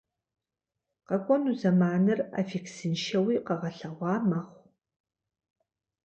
Къэкӏуэну зэманыр аффиксыншэуи къэгъэлъэгъуа мэхъу.